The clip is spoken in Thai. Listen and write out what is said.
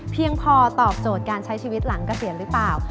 เพียงพอตอบโจทย์การใช้ชีวิตหลังเกษียณหรือเปล่า